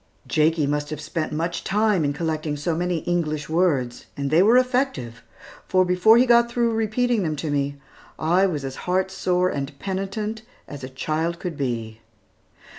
Jakie must have spent much time in collecting so many English words, and they were effective, for before he got through repeating them to me, I was as heart sore and penitent as a child could be.